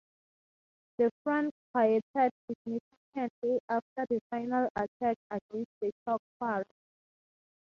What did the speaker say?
The front quieted significantly after the final attack against the chalk quarry.